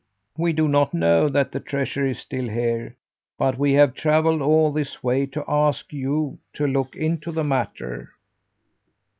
"We do not know that the treasure is still here, but we have travelled all this way to ask you to look into the matter."